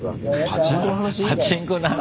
パチンコの話？